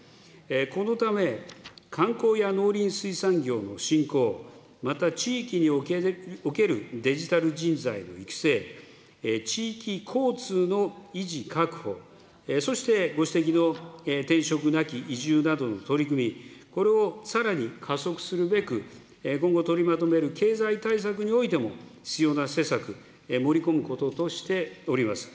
このため、観光や農林水産業の振興、また地域におけるデジタル人材の育成、地域交通の維持確保、そしてご指摘の転職なき移住などの取り組み、これをさらに加速するべく、今後、取りまとめる経済対策においても、必要な施策、盛り込むこととしております。